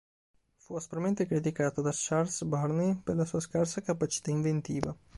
Fu aspramente criticato da Charles Burney per la sua scarsa capacità inventiva.